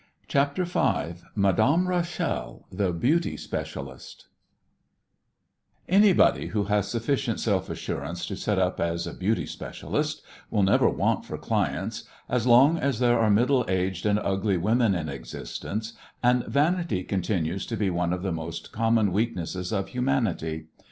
CHAPTER V MADAME RACHEL THE BEAUTY SPECIALIST Anybody who has sufficient self assurance to set up as a "beauty specialist" will never want for clients as long as there are middle aged and ugly women in existence and vanity continues to be one of the most common weaknesses of humanity.